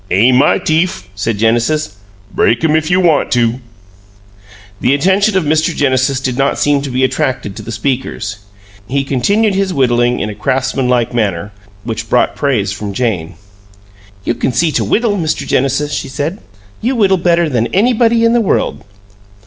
"Ain' my teef," said Genesis. "Break 'em, you want to!" The attention of Mr. Genesis did not seem to be attracted to the speakers; he continued his whittling in a craftsman like manner, which brought praise from Jane. "You can see to whittle, Mr. Genesis," she said. "You whittle better than anybody in the world."